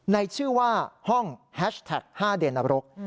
ในชื่อว่าห้องแฮชแท็ก๕เดนบรก